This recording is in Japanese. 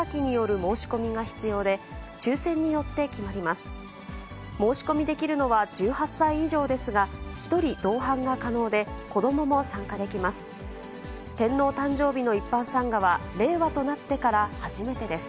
申し込みできるのは１８歳以上ですが、１人同伴が可能で、子どもも参加できます。